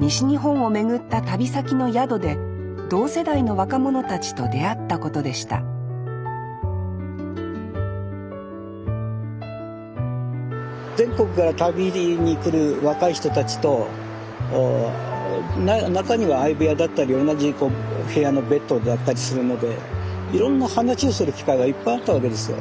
西日本を巡った旅先の宿で同世代の若者たちと出会ったことでした全国から旅に来る若い人たちと中には相部屋だったり同じ部屋のベッドだったりするのでいろんな話をする機会がいっぱいあったわけですよ。